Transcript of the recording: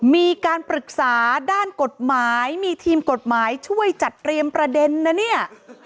มีการปรึกษาด้านกฎหมายมีทีมกฎหมายช่วยจัดเตรียมประเด็นนะเนี่ย